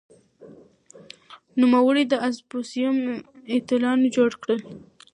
نوموړي د اپوزېسیون ائتلافونه جوړ کړل.